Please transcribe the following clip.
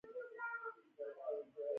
د روحانیت نقش داسې بدل شو.